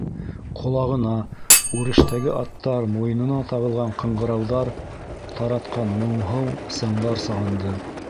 Ҡолағына үрештәге аттар муйынына тағылған ҡыңғырауҙар таратҡан моңһоу сыңдар салынды;